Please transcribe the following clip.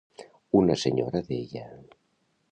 Una senyora deia…